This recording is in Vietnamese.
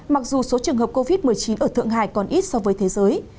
mặc dù số trường hợp covid một mươi chín ở thượng hải còn ít so với thế giới